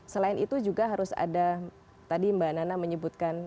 selain itu juga harus ada tadi mbak nana menyebutkan